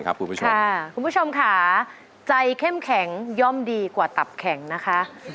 คุณผู้ชมค่ะใจเข้มแข็งย่อมดีกว่าตับแข็งนะคะ